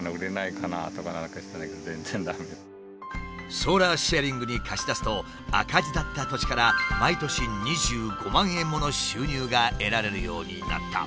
ソーラーシェアリングに貸し出すと赤字だった土地から毎年２５万円もの収入が得られるようになった。